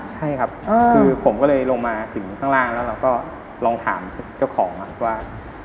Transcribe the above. ใช่ครับคือผมก็เลยลงมาถึงข้างล่างแล้วเราก็ลองถามเจ้าของว่า